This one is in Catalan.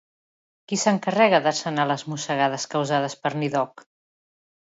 Qui s'encarrega de sanar les mossegades causades per Nidhogg?